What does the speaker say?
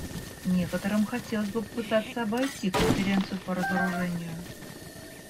Некоторым хотелось бы попытаться обойти Конференцию по разоружению.